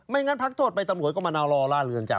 งั้นพักโทษไปตำรวจก็มะนาวรอล่าเรือนจำ